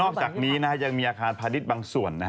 นอกจากนี้นะค่ะยังมีอาคารพาดิสบางส่วนนะครับ